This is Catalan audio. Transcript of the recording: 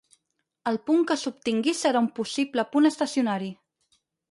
El punt que s'obtingui serà un possible punt estacionari.